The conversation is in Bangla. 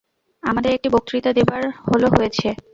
আমাদের একটি বক্তৃতা দেবার হল হয়েছে।